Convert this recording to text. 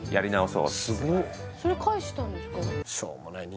それ返したんですか？